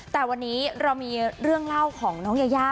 แต่วันนี้เรามีเรื่องเล่าของน้องยายา